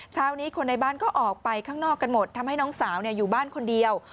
เช้านี้คนในบ้านก็ออกไปข้างนอกกันหมดทำให้น้องสาวอยู่บ้านคนเดียว